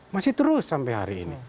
masih terus sampai hari ini